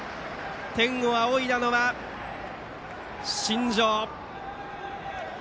天を仰いだのは新庄。